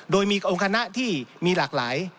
โดยมีองค์คณะที่มีหลากหลาย